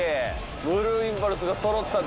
ブルーインパルスが揃ったで。